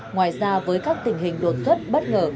ngoài ra với các tình hình đột xuất bất ngờ